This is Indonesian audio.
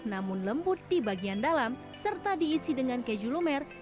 namun lembut di bagian dalam serta diisi dengan keju lumer